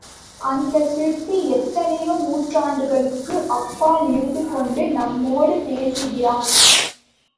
அந்தச் சிற்பி எத்தனையோ நூற்றாண்டுகளுக்கு அப்பால் இருந்து கொண்டு நம்மோடு பேசுகிறான்.